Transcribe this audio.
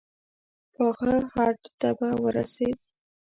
پاخه هډ ته به ورسېد.